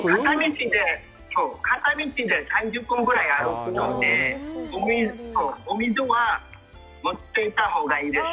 片道で３０分ぐらい歩くので、お水は持っていったほうがいいです。